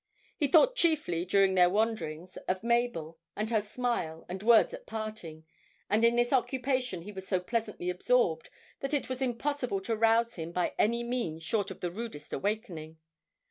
He thought chiefly during their wanderings of Mabel, and her smile and words at parting, and in this occupation he was so pleasantly absorbed that it was impossible to rouse him by any means short of the rudest awakening.